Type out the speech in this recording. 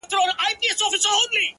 وېريږي نه خو انگازه يې بله ـ